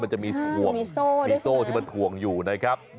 มันจะมีถ่วงมีโซ่ที่มันถ่วงอยู่นะครับ